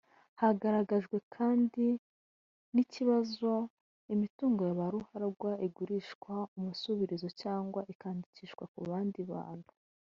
Hagaragajwe kandi n’ikibazo imitungo ya ba ruharwa igurishwa umusubirizo cyangwa ikandikishwa ku bandi bantu